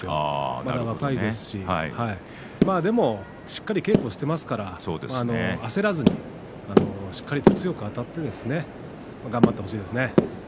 まだ若いですししっかり稽古していますから焦らずに、しっかりと強くあたって頑張ってほしいですね。